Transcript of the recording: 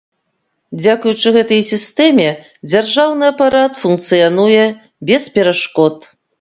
Дзякуючы гэтай сістэме дзяржаўны апарат функцыянуе без перашкод.